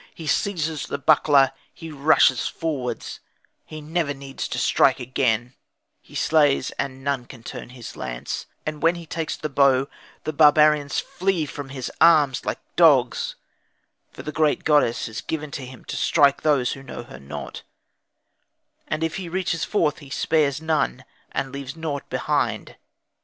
He seizes the buckler, he rushes forward, he never needs to strike again, he slays and none can turn his lance; and when he takes the bow the barbarians flee from his arms like dogs; for the great goddess has given to him to strike those who know her not; and if he reaches forth he spares none, and leaves nought behind.